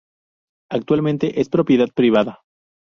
Actualmente es propiedad privada.